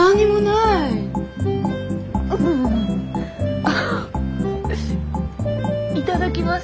いただきます。